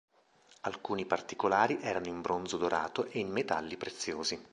Alcuni particolari erano in bronzo dorato e in metalli preziosi.